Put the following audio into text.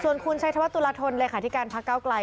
ส่วนคุณชัยธวัดตุลาทนเลยค่ะที่การพักก้าวกลาย